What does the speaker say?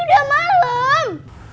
ini udah malem